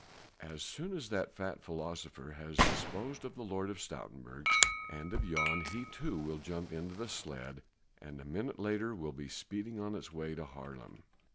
"As soon as the fat philosopher has disposed of the Lord of Stoutenburg and of Jan he too will jump into the sledge and a minute later will be speeding on its way to Haarlem."